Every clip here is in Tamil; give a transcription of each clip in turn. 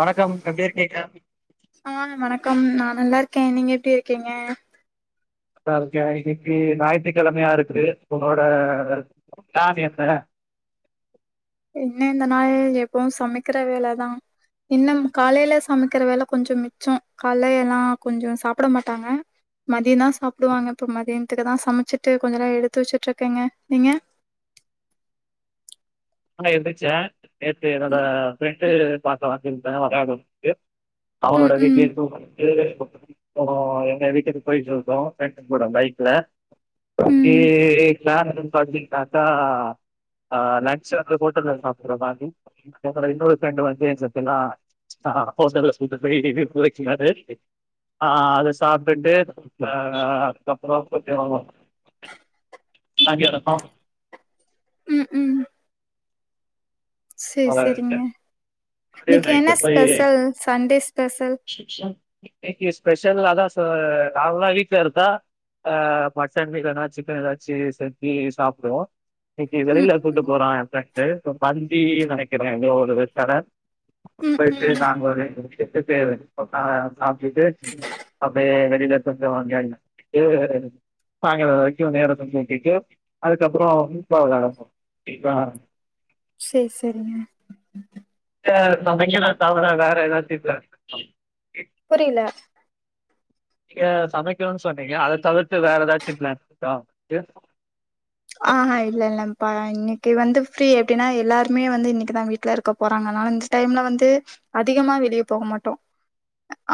வணக்கம் எப்டி இருக்கீங்க ஆ வணக்கம் நா நல்லா இருக்கே நீங்க எப்டி இருக்கீங்க நல்லா இருக்க இன்னிக்கி ஞாயிற்றுக்கிழமையா இருக்குது உங்ளோட ப்ளன் என்ன என்ன இந்த நாள் எப்பவு சமைக்கிற வேலதா இன்னும் காலைல சமைக்கிற வேல கொஞ்சம் மிச்சோ கால்லேல்லா கொஞ்சம் சாப்ட மாட்டாங்க மதியந்தா சாப்டுவாங்க இப்ப மதியானத்துக்கு தா சமச்சிட்டு கொஞ்சனே எடுத்து வச்சுட்டு இருக்கேங்க நீங்க இப்ப தா எந்துருச்ச நேத்து என்னோட ப்ரெண்டு பாக்க வந்துருந்தா அதா மம் எப் ம் அவனோட ம் வீட்டில் [inaudible] எங்க வீட்டுக்கு போய்ட்டு இருந்தோ ப்ரெண்டு கூட பைக்ல ஓகே ம் யார் என்னனு பகிர்ந்துகிட்டா தா ஆ நா சர் நா ஹோட்டல்ல சாப்பிடுறா மாரி அப்புறோ இன்னொருத்தங்க வந்து ஏ செத்தலா [unintelligible] ஆ அத சாப்ட்டுட்டு ஆ அதுக்கப்பறோ கொத்தி [unintelligible] காங்கேநத்தோ ம் ம் சேரி சேரிங்க [unintelligible] டே இன்னைக்கு என்ன நைட்டு போயி ஸ்பெஷல் சண்டே ஸ்பெஷல் [unintelligible] இன்னைக்கு ஸ்பெஷல் அதா சோ நார்மலா வீட்ல இருதா ஆ மட்டன் இல்லனா சிக்கன் ஏதாச்சு செஞ்சி சாப்டுவோ இன்னைக்கு ம் வெளியில கூட்டு ம் போறா எ ப்ரெண்டு பந்தி நெனைக்கிறே எதோ ஒரு ரெஸ்டாரன்ட் ம் போய் ம் போய் நாங்க ஒரு எட்டு பேரு [unintelligible] சாப்ட்டுட்டு அப்டியே வெளில கொஞ்சா [unintelligible] இது சாயங்கால வரைக்கு நேரத்த போக்கிட்டு அதுக்கப்பறோ [unintelligible] சேரி சரி தா அவங்கள தவிர வேற [unintelligible] புரியல நீங்க சமைக்கணு சொன்னீங்க அத தவிர்த்து வேற ஏதாச்சு பிளான் இருக்கா ஆஹா இல்லல்ல இப்பா இன்னைக்கு வந்து ஃப்ரீ எப்டின்னா எல்லாருமே வந்து இன்னைக்குதா வீட்டல இருக்கோ போறாங்க அதனால இந்த டைம்ல வந்து அதிகமா வெளிய போக மாட்டோ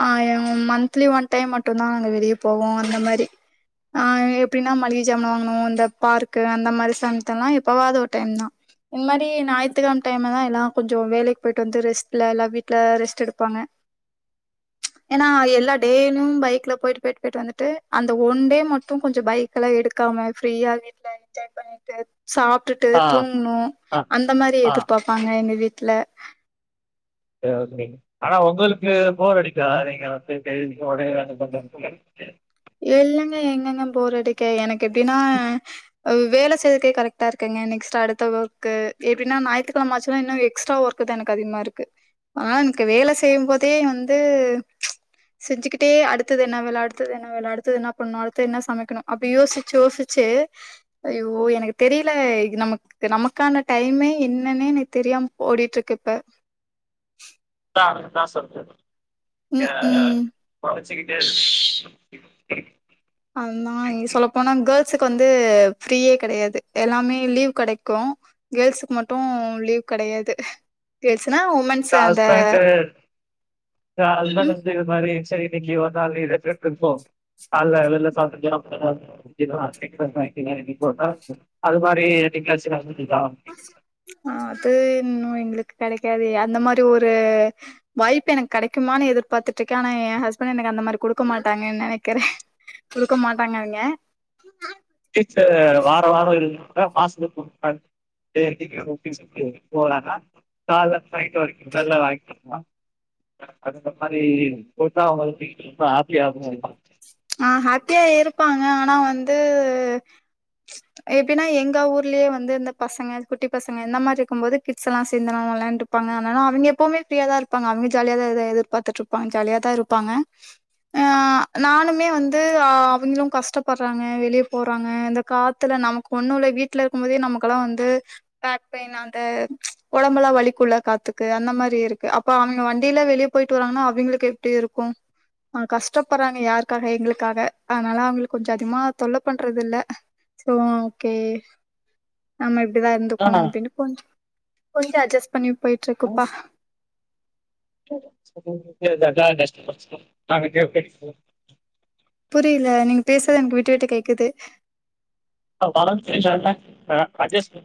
ஆ ம் மந்த்லி ஒன் டைம் மட்டுந்தா நாங்க வெளிய போவோ அந்த மாரி ஆ எப்படின்னா மளிகை சாமனு வாங்கணு அந்த பார்க்கு அந்த மாரி சன்ட்லா எப்பவாது ஒரு டைம் தா இந்த மாரி நாய்த்துக்கெழம டைம தா எல்லா கொஞ்சோ வேலைக்கு போயிட்டு வந்து ரெஸ்ட்ல எல்லா வீட்ல ரெஸ்ட் எடுப்பாங்க [inaudible] ஏன்னா எல்லா டேய்லு பைக்ல போயிட்டு போயிட்டு போயிட்டு வந்துட்டு அந்த ஒன் டே மட்டு கொஞ்ச பைக் ல்லா எடுக்காம ஃப்ரீயா வீட்ல என்ஜாய் பண்ணிட்டு சாப்ட்டுட்டு ஆ தூங்கணு ஆ அந்த மாரி ஆ எதிர்பார் ப்பாங்க எங்க வீட்ல [unintelligible] ஆனா உங்களுக்கு போர் அடிக்கா நீங்க வந்து கேள்வி உனே [unintelligible] இல்லங்க எங்கெங்க போற அடிக்க எனக்கு எப்டின்னா வ் வேல செய்றதுக்கு கரெக்டா இருக்கங்க நெக்ஸ்ட்டு அடுத்த ஒர்க் எப்படினா ஞாயித்துக்கெழம ஆச்சுனா இன்னு எஸ்ட்ரா ஒர்க் க்குத எனக்கு அதிகமா இருக்கு ஆண்க்கு வேல செய்யும்போதே வந்து செஞ்சுக்கிட்டே அடுத்தது என்ன வேல அடுத்தது என்ன வேல அடுத்துது என்னா பண்ணணு அடுத்து என்னா சமைக்கணு அப்டி யோசிச்சு யோசிச்சு ஐயோ எனக்கு தெரியல இது நமக்கு இது நமக்கான டைமே என்னன்னே எனக்கு தெரியாம ஓடிட்ருக்கு இப்ப அதா அதா சொல்றது ம் ம் [unintelligible] மொறைச்சுகிட்டே இருக்கு ம் ம் அன்னாய் சொல்லப் போனா கேர்ள்ஸுக்கு வந்து ஃப்ரீயே கெடையாது எல்லாமே லீவ் கெடைக்கு கேர்ள்ஸுக்கு மட்டு லீவ் கெடையாது கேர்ள்ஸ்னா உமன்ஸ் அந்த தாஸ்பேன்ஸர் அதுதா ம் நந்து இது மாரி சரீனு இங்க வந்தா இத ப இருப்போ காலைல என்னென்ன சாப்ட்ருக்க [unintelligible] [unintelligible] இன்னைக்கு ஒரு நாள் அது மாரி என்னைக்காச்சு நடந்துக்குதா அது இன்னு எங்களுக்கு கெடைக்காது அந்த மாரி ஒரு வாய்ப்பு எனக்கு கெடைக்குமான்னு எதிர்பார்த்துட்ருக்கே ஆனா ஏ ஹஸ்பண்ட் எனக்கு அந்த மாரி குடுக்க மாட்டாங்கன்னு நெனைக்கிறே குடுக்க மாட்டாங்க அவிங்க சீட்ட வெ வார வார இப்போ மாசத்துக்கு போட்டாங்க டேய் [unintelligible] போலானா கால்லருந்து நைட் வரைக்கு நல்லா வாங்கி [unintelligible] அ அந்த மாரி பேசுனா அவ்ங்களுக்கு ரொம்ப ஹாப்பி ஆகு ஆ ஹப்பியா இருப்பாங்க ஆனா வந்து எப்பினா எங்க ஊர்லயே வந்து இந்த பசங்க குட்டி பசங்க இந்த மாரி இருக்கும் போது கிட்ஸெல்லா சேந்துலா வெளான்டுப் பாங்க அதனால அவிங்க எப்போமே ஃப்ரீயா தா இருப்பாங்க அவிங்க ஜாலியாதா எதா எதிர்பார்த்துட்ருப்பாங்க ஜாலியா தா இருப்பாங்க ஆ நானும் மே வந்து ஆ அவிங்களு கஷ்டப்பட்றாங்க வெளிய போறாங்க இந்த காத்துல நமக் கொன்னுல்ல வீட்ல இருக்கும்போதே நமக்கெல்லா வந்து பேக் பெயின் அந்த ஒடம்பெல்லா வலிக்குல காத்துக்கு அந்த மாரி இருக்கு அப் ப்ப அவுங்க வண்டில வெளிய போயிட்டு வராங்கனா அவிங்களுக்கு எப்டி இருக்கு ஆ கஷ்டப்பட்றாங்க யாருக் காக எங்களுக்காக அதனால அவுங்கள கொஞ்ச அதிகமா தொல்ல பண்றதில்ல சொல்லுங்க ஓகே நம்ம இப்டிதா இருந்துக்கணு ஆ அப்டினு கொஞ்ச கொஞ்ச அட்ஜஸ்ட் பண்ணி போயிட்ருக்கோப்பா [unintelligible] புரியல நீங்க பேசுறது எனக்கு விட்டு விட்டு கேக்குது ஆ படம் தெரிஞ்சோன அ அட்ஜஸ்ட்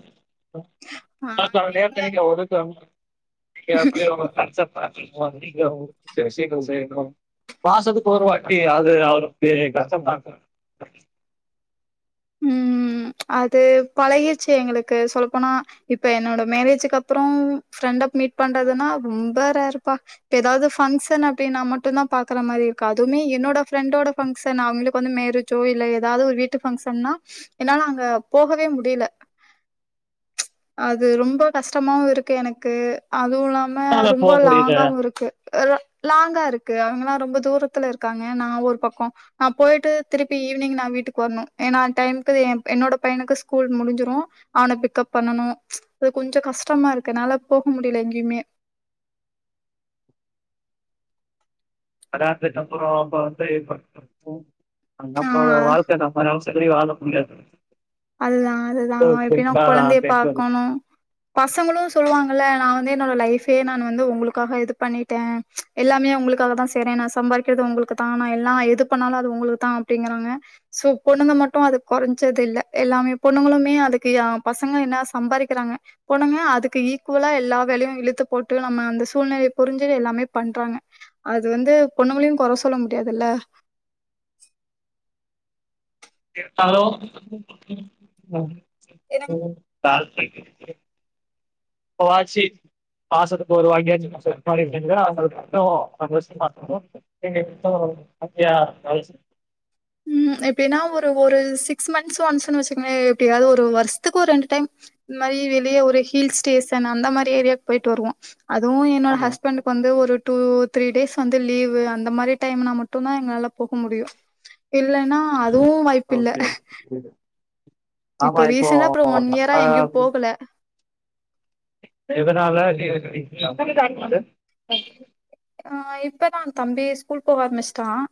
[unintelligible] ஆ அப்ப அவங்க ஏ என்ன நெனைக்ல ஒதுக்குவாங்கன் சே எப்டி அவ்ங்க அக்சப்ட் பண்ணிக்கு [unintelligible] சில விஷயங்கள் செய்யணு மாசத்துக்கு ஒருவாட்டி அது அவருக்கு கஷ்டந்தான ம் அது பழகிருச்சு எங்களுக்கு சொல்ல போனா இப்ப என்னோட மேரேஜுக்கு அப்றோ ஃப்ரெண்ட மீட் பண்றதுனா ரொம்ப ரேருப்பா இப்ப எதாவ்து ஃபங்க்ஷன் அப்டினா மட்டுந்தா பாக்குற மாரி இருக்கு அதுமே என்னோட ஃப்ரெண்டோட பங்க்ஷன் அவிங்களுக்கு வந்து மேரேஜ் ஜோ இல்ல எதாவ்து ஒரு வீட்டு பங்க்ஷன்னா என்னால அங்க போகவே முடியல அது ரொம்ப கஷ்டமாவு இருக்கு எனக்கு அதுவு இல்லா ம அதனால ரொம்ப போக முடியல லாங்காவு இருக்கு அ லாங்கா இருக்கு அவிங்கலா ரொம்ப தூரத்துல இருக்காங்க நா ஒரு பக்கோ நா போயிட்டு திருப்பி ஈவ்னிங் நா வீட்டுக்கு வர்ணு ஏனா அந டைம்க்கு எ என்னோட பையனுக்கு ஸ்கூல் முடிஞ்சிரு அவன பிக்கப் பண்ணனு அது கொஞ்ச கஷ்டமா இருக்கு என்னால போக முடியல எங்கேயுமே அதாவ்து நம்ப நம்ப வந்து [inaudible] அ ஆ நம்பளோட வாழ்க்கைய நம்பனு மத்தபடி வாழ முடியாது அதுதா அதுதா எப்டினா கொழந்தைய பெண்களும் பாக்கணு பசங்களு சொல்லுவாங்கல்ல நா வந்து என்னோட லைஃபே நானு வந்து உங்களுக்காக இது பண்ணிட்டே எல்லாமே உங்களுக்காக தா செய்றே நா சம்பாரிக்கிறது உங்களுக்கு தா நா எல்லா எது பண்ணாலு அது உங்களுக்கு தா அப்டிங்கிறாங்க சோ பொண்ணுங்க மட்டு அதுக்கு கொறஞ்சதில்ல எல்லாமே பொண்ணுங்களுமே அதுக்கு ஏ பசங்க ஏனா சம்பாரிக்கிறாங்க பொண்ணுங்களு அதுக்கு ஈக்வலா எல்லா வேலையு இழுத்து போட்டு நம்ம அந்த சூழ்நிலைய புரிஞ்சு எல்லாமே பண்றாங்க அது வந்து பொண்ணுங்களையு கொற சொல்ல முடியாதுல்ல ஹலோ ஏன்னா [inaudible] பொள்ளாச்சி பாசத்துக்கு ஒரு வாங்கியாச்சு செக் பண்ணிருக்கீங்ளா அவ்ங்க இப்போ அப்டி யோசிப்பாங்கள நீங்க எத்தன வயது அப்டியா வயசு ம் எப்டின்னா ஒரு ஒரு சிக்ஸ் மந்த்ஸ் ஒன்ஸ் வச்சிக்கோங்களேன் எப்டியாவது ஒரு வருஷத்துக்கு ஒரு ரெண்டுடைம் இது மாரி வெளியே ஒரு ஹில் ஸ்டேஷன் அந்த மாரி ஏரியாவுக்கு போய்ட்டு வருவோ அதுவும் என்னோட ஹஸ்பண்டுக்கு வந்து ஒரு டூ த்ரீ டேஸ் வந்து லீவு அந்த மாரி டைம்னா மட்டும் தான் எங்களால போக முடியும் இல்லன்னா அதுவும் வாய்ப்பில்ல ம் ஆமா இப்ப இப்போ ரீசென்ட்டா அப்புறம் போ இயரா ஆ எங்கேயும் போகல. எதனால [inaudible] ஆ இப்பதான் தம்பி ஸ்கூல் போக ஆரம்பிச்சுட்டான்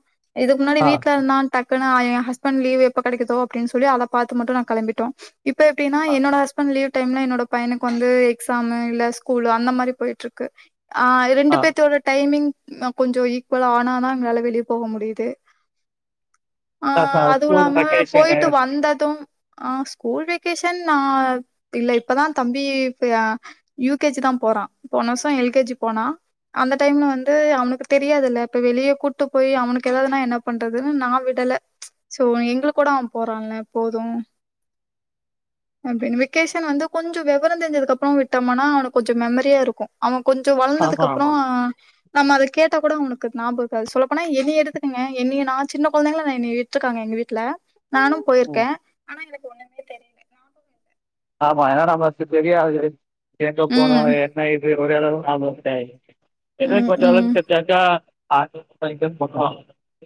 இதுக்கு முன்னாடி ஆ வீட்ல இருந்தான் டக்குன்னு அ என் ஹஸ்பண்ட் லீவு எப்போ கிடைக்குதோ அப்டினு சொல்லி அத பாத்து மட்டும் நாங்க கெளம்பிட்டோம் இப்ப எப்டினா என்னோட ஹஸ்பண்ட் லீவ் டைம் என்னோட பையனுக்கு வந்து எக்ஸாம் இல்ல ஸ்கூல் அந்த மாரி போய்ட்டு இருக்கு ஆ ரெண்டு ஆ பேர்த்தோட டைமிங் கொஞ்சோ ஈக்குவலா ஆனாதா எங்களால வெளியே போக முடியுது ஆ அதுவும் ஸ்கூல் இல்லாம வெக்கேஷனு போய்ட்டு வந்ததும் ஆ ஸ்கூல் வெகேஷன் நான் இல்ல இப்பதான் தம்பி ஆ யூ கே ஜி தான் போறான் போன வருஷம் எல் கே ஜி போனா அந்த டைம்ல வந்து அவனுக்கு தெரியாதுல்ல இப்ப வெளியே கூட்டு போய் அவனுக்கு ஏதாவதுனா என்ன பண்றதுன்னு நா விடல சோ எங்க கூட அவன் போறான்ல போதும் அப்டின்னு வெக்கேஷன் வந்து கொஞ்சோ விவரம் தெரிஞ்சதுக்கு அப்பறம் விட்டோம்னா அவனுக்கு கொஞ்சம் மெமரியா இருக்கும் அவன் கொஞ்சோ ஆமா வளர்ந்ததுக்கு அப்பறோ ஆமா நம்ம அத கேட்டா கூட உனக்கு ஞாபம் இருகாது சொல்ல போன என்னையே எடுத்துக்கங்க என் நீ நான் சின்ன குழந்தைங்கள நான் என் வச்சிருக்காங்க எங்க வீட்டல நானும் போயிருக்கேன் ஆனா எனக்கு ஒண்ணு ஆமாம் ஏன்னால் நம்ம தெரியாது எங்கே போணும் ம். என்ன இது ஒரு எளவும் ஆமான்டேய் எதுவும் ம், கொஞ்சோ ம், தெரிஞ்சா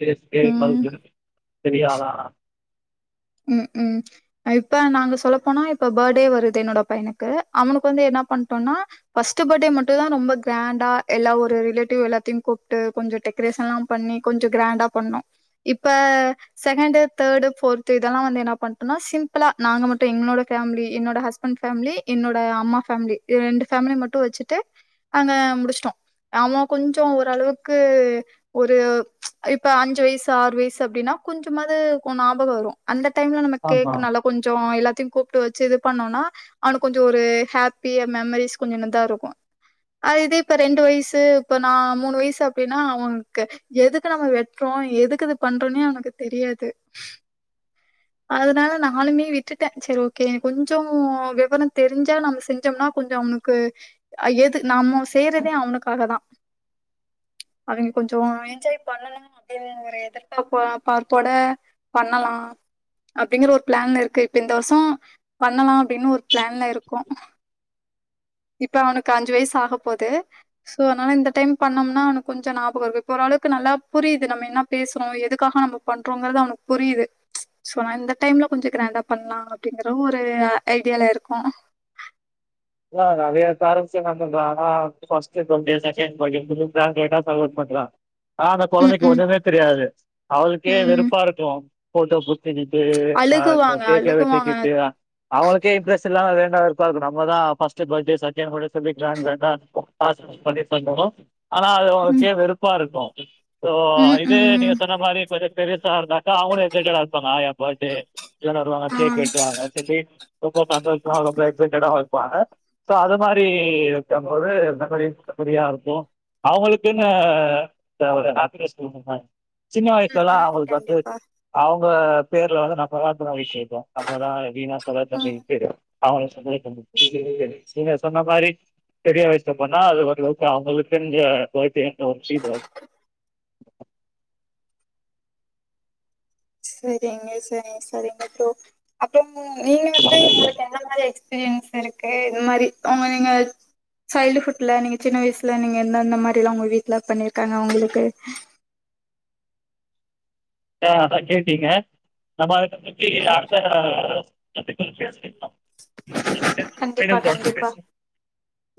செரி ம். [inaudible] தெரியாதா ம் ம் இப்ப நாங்க சொல்லப்போனா இப்ப பேர்த்டே வருது என்னோட பையனுக்கு அவனுக்கு வந்து என்ன பண்ட்டோம்னா ஃபஸ்ட் பர்த்டே மட்டும் தான் ரொம்ப கிராண்டா எல்லா ஒரு ரிலேட்டிவ் எல்லாத்தையும் கூப்ட்டு கொஞ்சோ டெக் டிரஸ்ல்லாம் பண்ணி கொஞ்சோ கிராண்டா பண்ணோம் இப்ப செகண்ட் தேர்டு ஃபோர்த் து இதெல்லாம் வந்து என்ன பண்டோனா சிம்பிளா நாங்க மட்டும் என்னோடு ஃபேமிலி என்னோட ஹஸ்பண்ட் ஃபேமிலி என்னோடு அம்மா ஃபேமிலி என் ரெண்டு ஃபேமிலி மட்டும் வச்சுட்டு அங்க முடிச்சிட்டோம் அவன் கொஞ்சோ ஓரளவுக்கு ஒரு இப்ப அஞ்சு வயசு ஆறு வயசு அப்டின்னா கொஞ்சமாவது ஞாபகம் வரும் அந்த டைம்ல நம்ம ஆமா கேக் நல்லா கொஞ்சோ எல்லாத்தையும் கூப்பிட்டு வச்சு இது பண்ணோம்னா அவனுக்கு கொஞ்சோ ஒரு ஹாப்பியா மெமரிஸ் கொஞ்சம் நதான் இருக்கும் அது இது இப்ப ரெண்டு வயசு இப்ப நான் மூணு வயசு அப்டின்னா அவனுக்கு எதுக்கு நம்ம வெட்றோம் எதுக்கு இது பண்றோனே அவனக்கு தெரியாது அதனால நானுமே விட்டுட்டேன் சரி ஓகே கொஞ்சோ விவரம் தெரிஞ்சா நம்ம செஞ்சோம்னா கொஞ்சம் அவனு க்குஜஎது நம்ம செய்றதே அவனுக்காக தான் அவிங்க கொஞ்சோ என்ஜாய் பண்ணணும் அப்டின்னு எதிர்ப் பார்ப்போட பண்ணலாம் அப்டிங்கற ஒரு பிளான்ல இருக்கு இப்ப இந்த வருஷம் பண்ணலாம் அப்டின்னு ஒரு பிளான்ல இருக்கோ இப்ப அவனுக்கு அஞ்சு வய்சு ஆக போது சோ அதனால இந்த டைம் பண்ணோம்னா அவனுக்கு கொஞ்சொ நாபகம் இருக்கு இப்ப ஓரளவுக்கு நல்லா புரியுது நம்ம என்ன பேசறோ எதுக்காக நம்ம பண்றோங்க்றது அவனுக்கு புரியுது சோ நா இந்த டைம்ல கொஞ்சொ க்ராண்டா பண்ணலா அப்பிடிங்கற ஒரு ஐடியால இருக்கோ லா நெறையா [unintelligible] பண்றாங்க ஃபர்ஸ்ட் டுவெண்ட்டி செக்கெண்ட் [unintelligible] பண்றா ஆ அந்த ம் கொழந்தைக்கு ம் ஒண்ணுமே தெரியாது. அவளுக்கே ம் வெறுப்பா இருக்கு போட்டோ பு தெஜிட்டு ஆ ச அழுகுவாங்க கேக்க அழுகுவாங்க வெட்டிக்கிட்டு அவ்ங்களுக்கே இம்ப்ரெஸ் இல்லா வேண்டா வெறுப்பா இருக்கு நம்மதா ஃபர்ஸ்ட் பேர்த்டே செக்கெண்ட் பேர்த்டே சொல்லி க்ரேன்ட்டா க்ரேன்ட்டா பாசோ வெச்சு பண்ணி இருந்தாலு ஆனா அது ம் அவ்ங்கக்கே வெறுப்பா இருக்கு ஸோ ம் இதே நீங்க ம் சொன்ன மாரி கொஞ்சொ பெருசா இருந்தாக்கா அவ்ங்களூ எக்ஸைட்டடா இருப்பாங்க என் பேர்த்டே எல்லாரு வருவாங்க ஆ கேக் வெட்டு வாங்க சொல்லி ரொம்போ சந்தோஷமா ரொம்போ எக்செட்டெட்டாவு இருப்பாங்க சோ அது மாரி வெக்கும்போது மெமரிஸ் மெமரியா இருக்கு அவங்களுக்குனு ஒரு ஹேப்பி நியூஸ் சொன்ன மாரி சின்ன வயசுல ம் எல்லா ம் அவுங்களுக்கு வந்து கண்டிப்பா அவுங்க பேருல வந்து ந சாதாரன விஷ்யோ நம்மதா வீணா செலவு ம் பண்ணிகிட்டு [unintelligible] நீங்க சொன்ன மாரி பெரிய வயசுல பண்ணா அது ஒரளவுக்கு அவ்ங்களுக்குங்க ஓகே என்ற ஒரு ஃபீல் வரு செரிங்க செரி செரிங்க ப்ரோ அப்றொ நீங்க வந்து உங்களுக்கு என்ன மாரி எக்ஸ் பீரீயன்ஸ் இருக்கு இந் மாரி அவுங் நீங்க சைல்டுஹுட்ல நீங்க சின்ன வயசுல நீங்க எந்தெந்த மாரி எல்லா உங்க வீட்ல பண்ணிருக்காங்க உங்களுக்கு ஆ அதா கேட்டீங்க நம்ம அத பத்தி அடுத்த [inaudible] கண்டிப்பா மீண்டும் தொடர்ந்து கண்டிப்பா பேச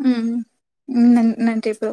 ம் ம் நன்றி ப்ரோ